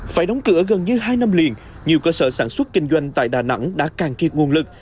phải đóng cửa gần như hai năm liền nhiều cơ sở sản xuất kinh doanh tại đà nẵng đã càng kiệt nguồn lực